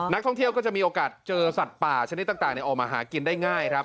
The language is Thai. นักท่องเที่ยวก็จะมีโอกาสเจอสัตว์ป่าชนิดต่างออกมาหากินได้ง่ายครับ